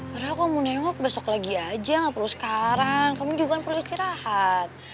padahal aku mau nengok besok lagi aja gak perlu sekarang kamu juga kan perlu istirahat